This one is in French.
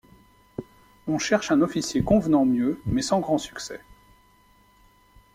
On cherche un officier convenant mieux, mais sans grand succès.